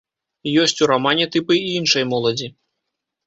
Ёсць у рамане тыпы і іншай моладзі.